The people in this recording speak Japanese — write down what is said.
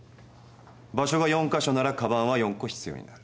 場所が４か所なら鞄は４個必要になる。